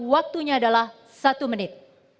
waktunya adalah satu menit